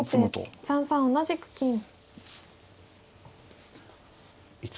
先手３三同じく角成。